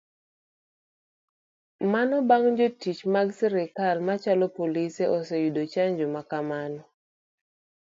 Mana bang kajotich mag sirikal machalo polise oseyudo chanjo makamano.